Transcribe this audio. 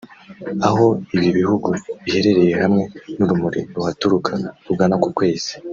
aho ibi bihugu biherereye hamwe n’urumuri ruhaturuka rugana ku kwezi